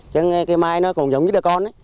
chứ cây mai nó cũng giống như đứa con